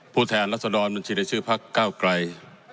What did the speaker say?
ผู้แทนรัศนรบัญชีในชื่อภักดิ์เก้าไกร